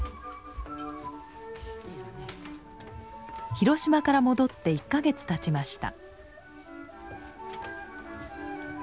広島から戻って１か月たちました。